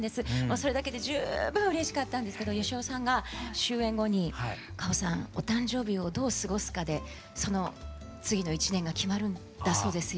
それだけで十分うれしかったんですけど芳雄さんが終演後に「歌穂さんお誕生日をどう過ごすかでその次の一年が決まるんだそうですよ」